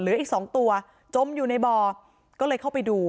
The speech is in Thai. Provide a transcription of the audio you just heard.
เหลืออีกสองตัวจมอยู่ในบ่อก็เลยเข้าไปดู